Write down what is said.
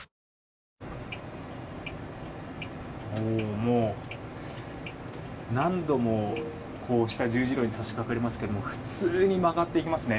もう何度もこうした十字路に差し掛かりますが普通に曲がっていますね。